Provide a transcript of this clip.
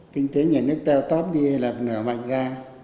kinh tế nhà nước teo tóp đi hay là nở mạnh ra